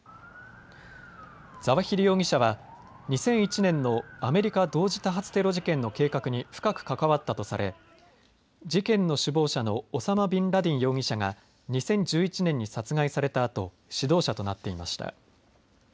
ザワヒリ容疑者は２００１年のアメリカ同時多発テロ事件の計画に深く関わったとされ事件の首謀者のオサマ・ビンラディン容疑者が２０１１年に殺害されたあと指導者となっていました。